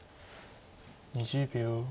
２０秒。